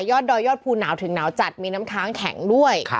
ดอยยอดภูหนาวถึงหนาวจัดมีน้ำค้างแข็งด้วย